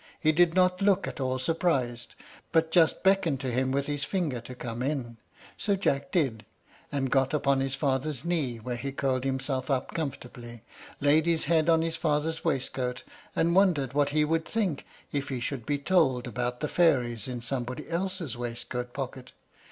He did not look at all surprised, but just beckoned to him with his finger to come in. So Jack did, and got upon his father's knee, where he curled himself up comfortably, laid his head on his father's waistcoat, and wondered what he would think if he should be told about the fairies in somebody else's waistcoat pocket.